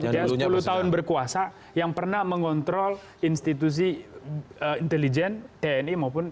dia sepuluh tahun berkuasa yang pernah mengontrol institusi intelijen tni maupun